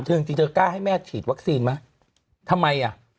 จริงจริงเธอกล้าให้แม่ฉีดวัคซีนไหมทำไมอ่ะ